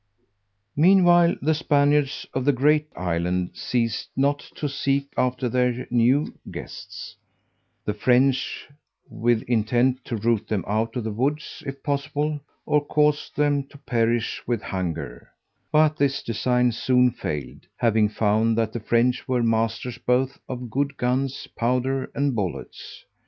Meanwhile, the Spaniards of the great island ceased not to seek after their new guests, the French, with intent to root them out of the woods if possible, or cause them to perish with hunger; but this design soon failed, having found that the French were masters both of good guns, powder, and bullets.